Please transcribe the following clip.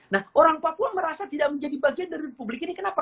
nah orang papua merasa tidak menjadi bagian dari republik ini kenapa